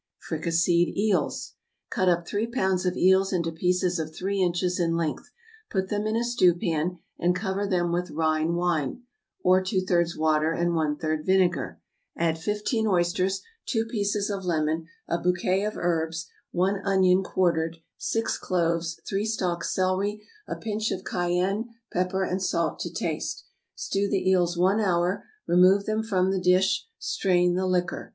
=Fricasseed Eels.= Cut up three pounds of eels into pieces of three inches in length; put them into a stewpan, and cover them with Rhine wine (or two thirds water and one third vinegar); add fifteen oysters, two pieces of lemon, a bouquet of herbs, one onion quartered, six cloves, three stalks celery, a pinch of cayenne, pepper and salt to taste. Stew the eels one hour; remove them from the dish; strain the liquor.